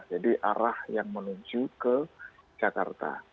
jadi arah yang menuju ke jakarta